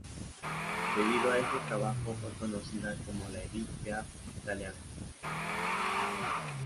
Debido a este trabajo, fue conocida como la Édith Piaf italiana.